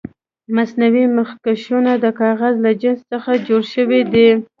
مصنوعي مخکشونه د کاغذ له جنس څخه جوړ شوي دي.